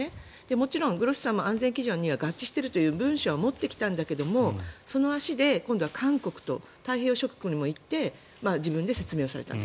もちろんグロッシさんも安全基準には合致しているという文書は持ってきたんだけどその足で今度は韓国と太平洋諸国にも行って自分で説明をされたと。